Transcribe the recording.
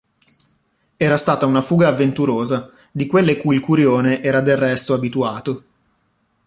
Era stata una fuga avventurosa, di quelle cui il Curione era del resto abituato.